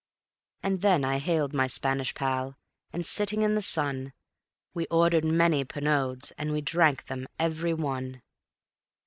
And then I hailed my Spanish pal, and sitting in the sun, We ordered many Pernods and we drank them every one.